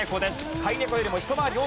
飼い猫よりも一回り大きな体。